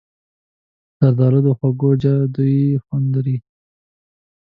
زردالو د خوړو جادويي خوند لري.